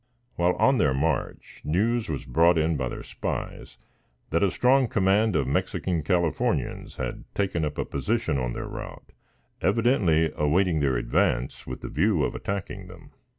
While on their march, news was brought in by their spies that a strong command of Mexican Californians had taken up a position on their route, evidently awaiting their advance with the view of attacking them.